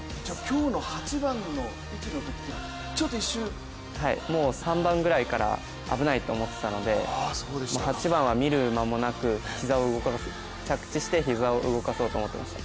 今日の８番の位置のときはちょっと一瞬もう３番ぐらいから危ないと思っていたので８番は見る間もなく着地して膝を動かそうと思っていました。